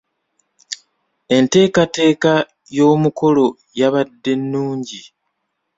Enteekateeka y'omukolo yabadde nnungi.